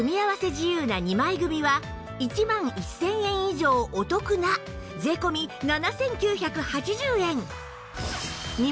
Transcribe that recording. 自由な２枚組は１万１０００円以上お得な税込７９８０円